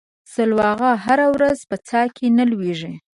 سلواغه هره ورځ په څا کې نه ولېږي.